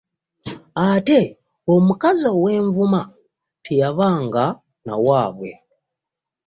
Ate omukazi ow'envuma teyabanga na wabwe .